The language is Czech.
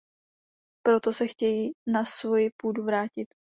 Proto se chtějí na svoji půdu vrátit.